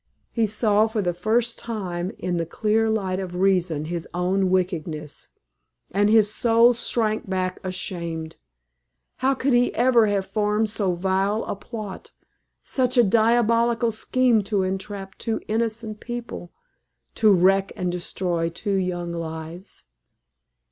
He saw for the first time in the clear light of reason his own wickedness, and his soul shrank back ashamed. How could he ever have formed so vile a plot such a diabolical scheme to entrap two innocent people to wreck and destroy two young lives?